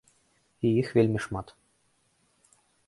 І іх вельмі шмат.